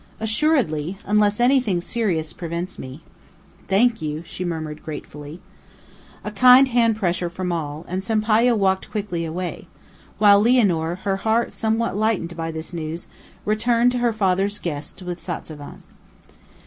"Assuredly; unless anything serious prevents me." "Thank you," she murmured gratefully. A kind hand pressure from all, and Sampayo walked quickly away; while Lianor, her heart somewhat lightened by this news, returned to her father's guests with Satzavan.